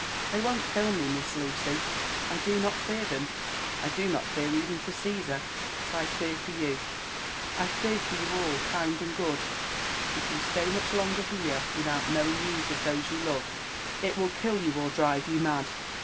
— They won't kill me. Miss Lucy, I do not fear them — I do not fear even for Caesar ; but I fear for you — I fear for you all, kind and good I if you stay much longer here without knowing news of those you love, it will kill you or drive you mad.